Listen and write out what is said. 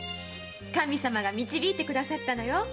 神様が導いてくださったのよ。